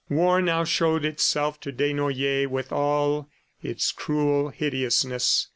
War now showed itself to Desnoyers with all its cruel hideousness.